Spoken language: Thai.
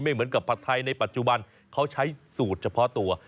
เหมือนกับผัดไทยในปัจจุบันเขาใช้สูตรเฉพาะตัว